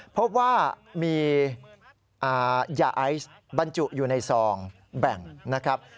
พบว่ามียาไอซ์บรรจุอยู่ในซองแบ่งนะครับ